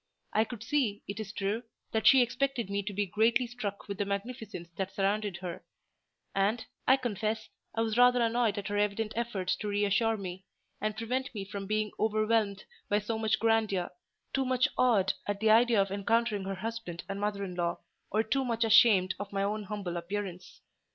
I could see, it is true, that she expected me to be greatly struck with the magnificence that surrounded her; and, I confess, I was rather annoyed at her evident efforts to reassure me, and prevent me from being overwhelmed by so much grandeur—too much awed at the idea of encountering her husband and mother in law, or too much ashamed of my own humble appearance.